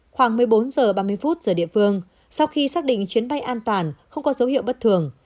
khoảng một mươi bốn h ba mươi giờ địa phương sau khi xác định chuyến bay an toàn không có dấu hiệu bất thường